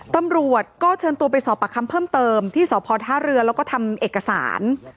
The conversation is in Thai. ตำรวจก็เชิญตัวไปสอบประคำเพิ่มเติมที่สพท่าเรือแล้วก็ทำเอกสาร